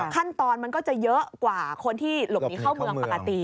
ขั้นตอนมันก็จะเยอะกว่าคนที่หลบหนีเข้าเมืองปกติ